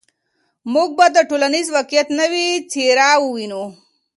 موږ به د ټولنیز واقعیت نوې څېره ووینو.